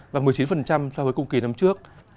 và một mươi chín so với cùng kỳ năm trước